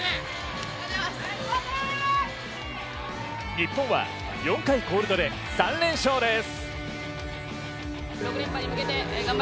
日本は４回コールドで３連勝です。